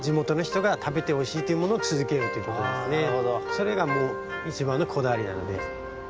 それがもういちばんのこだわりなので。